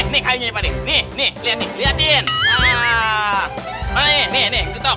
nah ini nih gitu